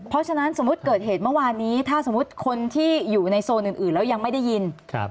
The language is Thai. เพราะฉะนั้นสมมุติเกิดเหตุเมื่อวานนี้ถ้าสมมุติคนที่อยู่ในโซนอื่นแล้วยังไม่ได้ยิน